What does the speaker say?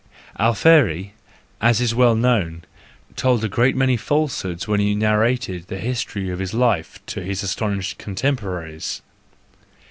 —Alfieri, as is well known, told a great many falsehoods when he narrated the history of his life to his astonished contemporaries.